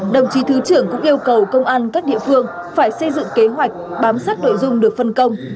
đồng chí thứ trưởng cũng yêu cầu công an các địa phương phải xây dựng kế hoạch bám sát nội dung được phân công